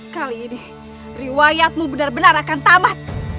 kali ini riwayatmu benar benar akan tamat